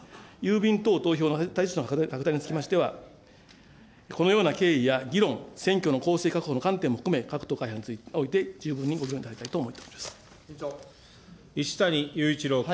郵便等投票の拡大につきましては、このような経緯や議論、選挙の公正確保の観点も含め、各党、会派において、十分にご議論いただき一谷勇一郎君。